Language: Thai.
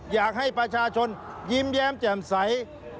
อยากให้ประชาชนยิ้มแย้มแจ่มใส